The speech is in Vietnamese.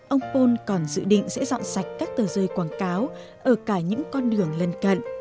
ông pool còn dự định sẽ dọn sạch các tờ rơi quảng cáo ở cả những con đường lần cận